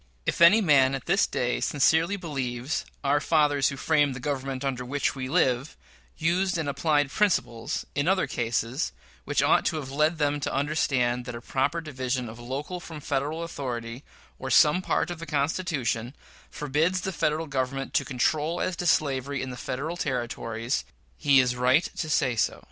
If any man at this day sincerely believes "our fathers, who framed the Government under which we live," used and applied principles, in other cases, which ought to have led them to understand that a proper division of local from Federal authority, or some part of the Constitution, forbids the Federal Government to control as to slavery in the Federal Territories, he is right to say so.